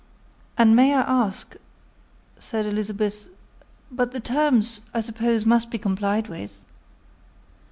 "And may I ask?" said Elizabeth; "but the terms, I suppose, must be complied with."